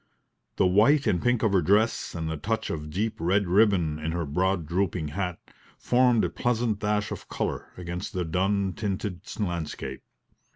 The white and pink of her dress, and the touch of deep red ribbon in her broad drooping hat, formed a pleasant dash of colour against the dun tinted landscape.